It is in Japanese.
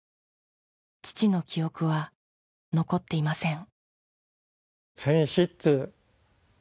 父の記憶は残っていません。